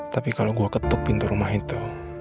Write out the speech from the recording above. tapi kalau gue ketuk pintu rumah itu